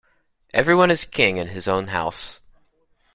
Every one is king in his own house.